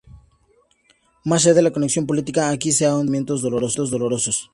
Más allá de la conexión política, aquí se ahonda en sentimientos dolorosos.